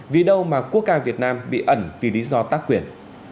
vì đâu mà quốc ca việt nam bị ẩn vì lý do tác quyền